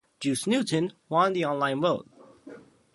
Juice Newton won the online vote.